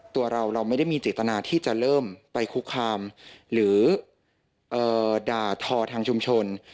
ตัวเราเราไม่ได้มีเจตนาที่จะเริ่มไปคุกคามหรือด่าทอทางชุมชน